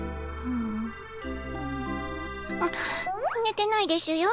あっ寝てないでしゅよ。